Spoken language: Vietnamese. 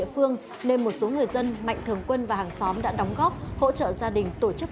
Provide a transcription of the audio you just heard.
phương nên một số người dân mạnh thường quân và hàng xóm đã đóng góp hỗ trợ gia đình tổ chức